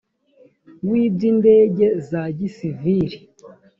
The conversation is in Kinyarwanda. w iby indege za gisivili